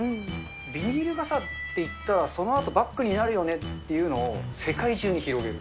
ビニール傘っていったら、そのあとバッグになるよねっていうのを世界中に広げる。